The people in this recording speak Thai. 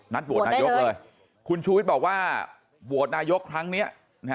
โหวตนายกเลยคุณชูวิทย์บอกว่าโหวตนายกครั้งนี้